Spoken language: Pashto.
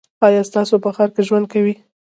ایا تاسو په ښار کې ژوند کوی؟